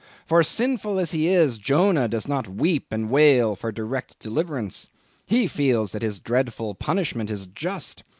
For sinful as he is, Jonah does not weep and wail for direct deliverance. He feels that his dreadful punishment is just.